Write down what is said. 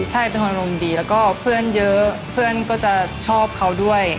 ใช่เป็นคนอารมณ์ดีแล้วก็เพื่อนเยอะเพื่อนก็จะชอบเขาด้วย